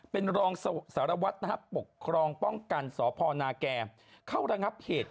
เป็นรองสารวัตรปกครองป้องกันสพนาแก่เข้าระงับเหตุ